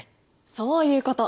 そういうこと！